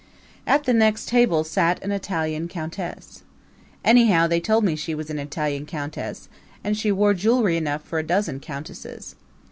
At the next table sat an Italian countess. Anyhow they told me she was an Italian countess, and she wore jewelry enough for a dozen countesses.